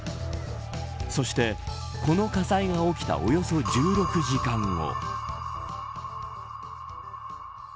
そして、この火災が起きたおよそ１６時間後。